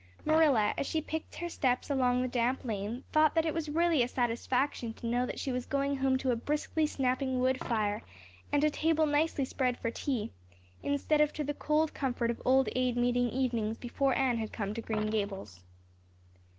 Marilla, as she picked her steps along the damp lane, thought that it was really a satisfaction to know that she was going home to a briskly snapping wood fire and a table nicely spread for tea, instead of to the cold comfort of old Aid meeting evenings before Anne had come to Green Gables.